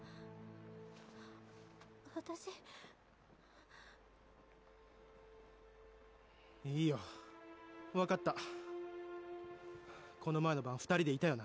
私いいよ分かったこの前の晩２人でいたよ